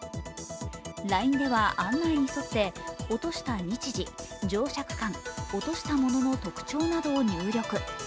ＬＩＮＥでは、案内に沿って落とした日時、乗車区間、落としたものの特徴などを入力。